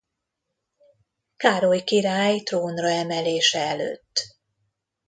Károly király trónra emelése előtt.